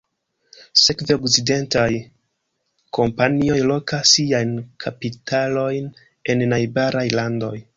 Sekve, okcidentaj kompanioj lokas siajn kapitalojn en najbaraj landoj.